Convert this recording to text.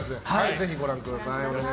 ぜひご覧ください。